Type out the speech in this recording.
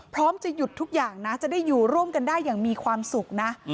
พร้อมจะหยุดทุกอย่างนะจะได้อยู่ร่วมกันได้อย่างมีความสุขนะ